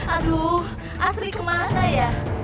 aduh astri kemana ya